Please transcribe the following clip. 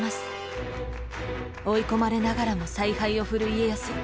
追い込まれながらも采配を振る家康。